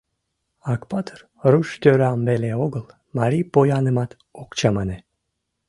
Акпатыр руш тӧрам веле огыл, марий поянымат ок чамане.